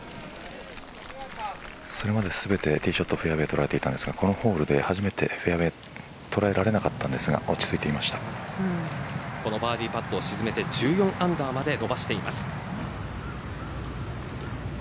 それまで全てティーショットフェアウエー捉えていたんですがこのホールで初めてフェアウエー捉えられなかったですがこのバーディーパットを沈めて１４アンダーまで伸ばしています。